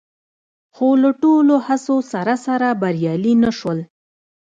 خو له ټولو هڅو سره سره بریالي نه شول